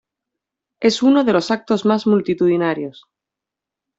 Es uno de los actos más multitudinarios.